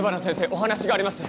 お話があります。